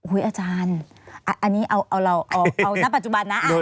อุ๊ยอาจารย์อันนี้เอาเราเอานับปัจจุบันนะ